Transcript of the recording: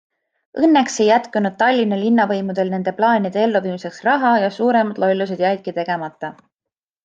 Õnneks ei jätkunud Tallinna linnavõimudel nende plaanide elluviimiseks raha ja suuremad lollused jäidki tegemata.